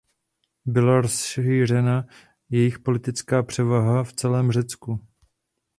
Byla rozšířena jejich politická převaha v celém Řecku.